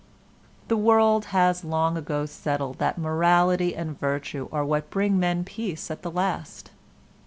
The world has long ago settled that morality and virtue are what bring men peace at the last.